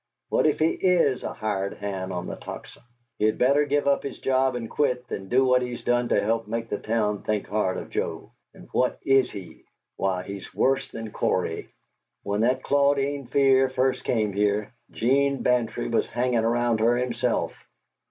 What if he IS a hired hand on the Tocsin? He'd better give up his job and quit, than do what he's done to help make the town think hard of Joe. And what IS he? Why, he's worse than Cory. When that Claudine Fear first came here, 'Gene Bantry was hangin' around her himself.